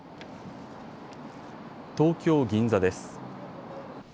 東京銀座です。